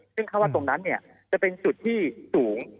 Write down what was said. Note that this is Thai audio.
ซึ่งเขาว่าตรงนั้นจะเป็นจุดที่สูง